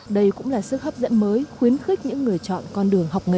đây cũng là sức hấp dẫn mới khuyến khích những người chọn con đường học nghề